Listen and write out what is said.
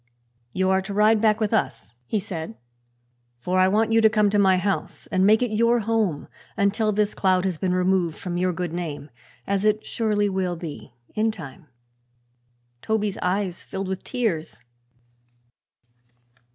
"You are to ride back with us," he said, "for I want you to come to my house and make it your home until this cloud has been removed from your good name as it surely will be, in time." Toby's eyes filled with tears.